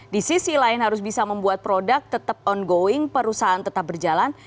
di sisi lain harus bisa membuat produk tetap ongoing perusahaan tetap berjalan